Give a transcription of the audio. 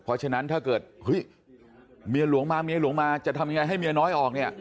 เพราะฉะนั้นถ้าเกิดเฮ้ยเมียหลวงมาเมียหลวงมาจะทำยังไงให้เมียน้อยออกเนี่ย